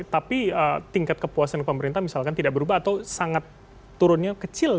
tapi tingkat kepuasan pemerintah misalkan tidak berubah atau sangat turunnya kecil